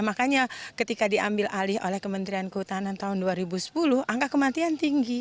makanya ketika diambil alih oleh kementerian kehutanan tahun dua ribu sepuluh angka kematian tinggi